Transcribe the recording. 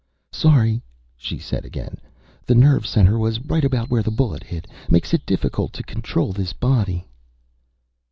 "Sorry," she said again. "The nerve center was right about where the bullet hit. Makes it difficult to control this body."